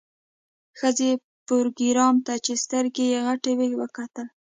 ښځې پروګرامر ته چې سترګې یې غټې وې وکتل